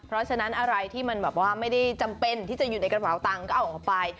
เพราะฉะนั้นอะไรที่มันแบบว่าไม่ได้จำเป็นที่จะอยู่ในกระเป๋าตังค์ก็เอาออกไป